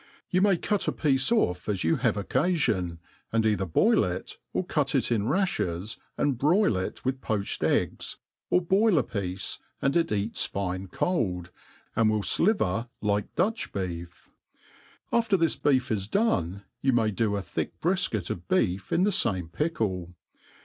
You may cut a piece ofF as you have occafion, and either boil it or cut it in rafhers, and broil it with poached eggs, or boil a piece, and it eats fine cold, and will fliver iij^e Duii:h beef. After thia beef is done, yoa may do a thick brifket of beef in the fame pickle.